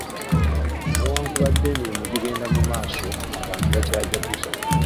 Newankubadde emirimu gigenda mu maaso, abantu bakyajaguza.